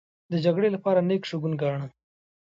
د جګړې لپاره نېک شګون گاڼه.